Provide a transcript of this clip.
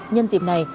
nhân dịp này